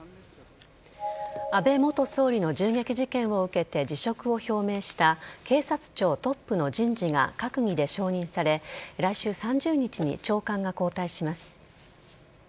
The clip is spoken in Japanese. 安倍元総理の銃撃事件を受けて辞職を表明した警察庁トップの人事が閣議で承認され来週３０日に長官が交代します。